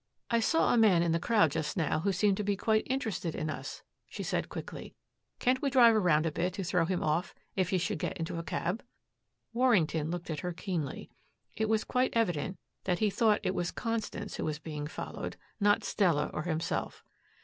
"I saw a man in the crowd just now who seemed to be quite interested in us," she said quickly. "Can't we drive around a bit to throw him off if he should get into a cab?" Warrington looked at her keenly. It was quite evident that he thought it was Constance who was being followed, not Stella or himself.